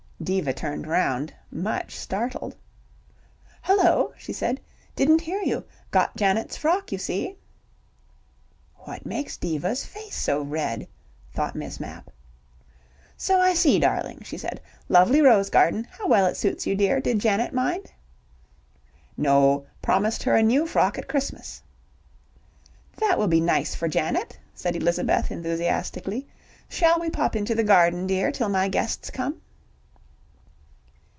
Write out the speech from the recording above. Diva turned round, much startled. "Hullo!" she said. "Didn't hear you. Got Janet's frock you see." ("What makes Diva's face so red?" thought Miss Mapp.) "So I see, darling," she said. "Lovely rose garden. How well it suits you, dear! Did Janet mind?" "No. Promised her a new frock at Christmas." "That will be nice for Janet," said Elizabeth enthusiastically. "Shall we pop into the garden, dear, till my guests come?"